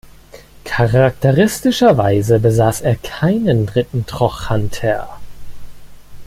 Charakteristischerweise besaß er keinen dritten Trochanter.